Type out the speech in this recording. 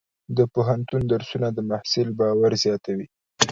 د پوهنتون درسونه د محصل باور زیاتوي.